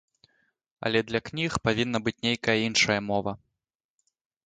Але для кніг павінна быць нейкая іншая мова.